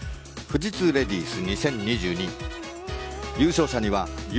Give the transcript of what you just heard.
富士通レディース２０２２。